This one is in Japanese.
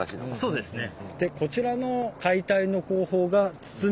そうですね。